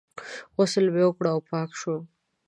غسل مې وکړ او پاک شوم.